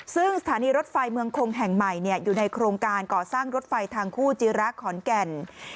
ซึ่งสถานีรถไฟเมืองคงแห่งใหม่อยู่ในโครงการก่อสร้างรถไฟทางคู่จิระขอนแก่น